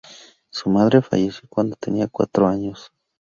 Su madre falleció cuando tenía cuatro años.